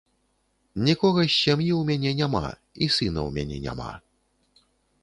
Нікога з сям'і ў мяне няма, і сына ў мяне няма!